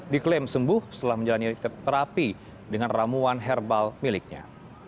diklaim sembuh setelah menjalani terapi dengan ramuan herbal miliknya